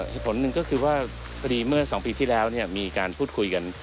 เหตุผลหนึ่งก็คือว่าพอดีเมื่อ๒ปีที่แล้วมีการพูดคุยกัน